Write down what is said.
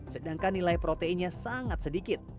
sedangkan nilai proteinnya sangat sedikit